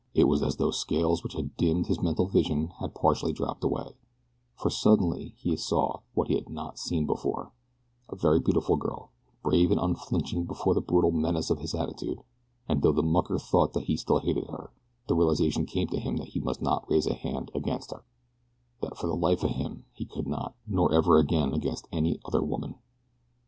It was as though scales which had dimmed his mental vision had partially dropped away, for suddenly he saw what he had not before seen a very beautiful girl, brave and unflinching before the brutal menace of his attitude, and though the mucker thought that he still hated her, the realization came to him that he must not raise a hand against her that for the life of him he could not, nor ever again against any other woman.